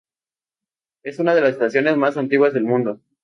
Es una de las estaciones más antiguas del mundo.